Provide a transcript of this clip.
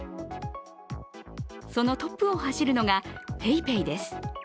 そのトップを走るのがＰａｙＰａｙです。